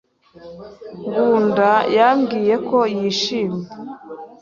Ngunda yambwiye ko yishimye.